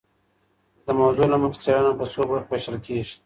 د موضوع له مخي څېړنه په څو برخو وېشل کيږي.